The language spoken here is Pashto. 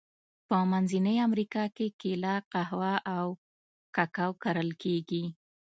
په منځنۍ امریکا کې کېله، قهوه او کاکاو کرل کیږي.